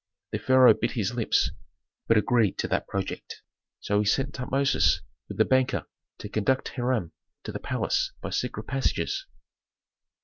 The pharaoh bit his lips, but agreed to that project; so he sent Tutmosis with the banker to conduct Hiram to the palace by secret passages.